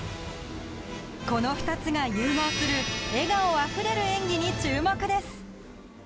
この２つが融合する笑顔あふれる演技に注目です。